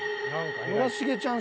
村重ちゃん